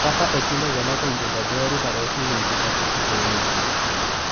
mpaka ojilozela computatoore, para ohiiye njika sikhuzeene epi.